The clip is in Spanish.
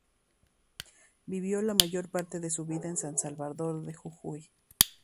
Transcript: Vivió la mayor parte de su vida en San Salvador de Jujuy.